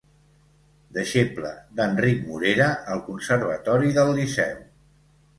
Deixeble d'Enric Morera al Conservatori del Liceu.